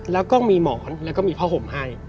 แล้วก็มีหมอนแล้วก็มีผ้าห่มให้